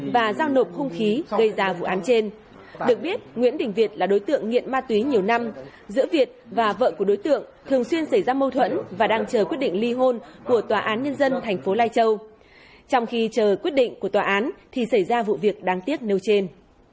và giao nộp hung khí gây ra vụ án trên được biết nguyễn đình việt là đối tượng nghiện ma túy nhiều năm giữa việt và vợ của đối tượng thường xuyên xảy ra mâu thuẫn và đang chờ quyết định ly hôn của tòa án nhân dân thành phố lai châu trong khi chờ quyết định của tòa án thì xảy ra vụ việc đáng tiếc nêu trên